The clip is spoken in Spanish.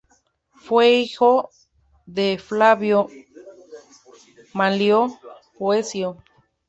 Fue hijo de Flavio Manlio Boecio.